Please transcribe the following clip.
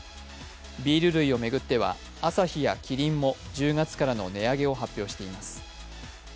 ビール類を巡ってはアサヒやキリンも１０月からの値上げを発表しています。